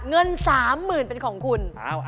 เงิน๓๐๐๐เป็นของคุณ